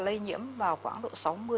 lây nhiễm vào khoảng độ sáu mươi bảy mươi